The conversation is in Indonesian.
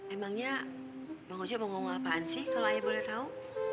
emangnya bang oce mau ngomong apaan sih kalau ayah boleh tahu